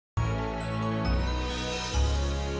yang lebih bamu